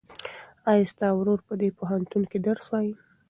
ایا ستا ورور په دې پوهنتون کې درس وایي؟